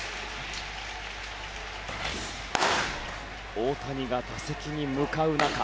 大谷が打席に向かう中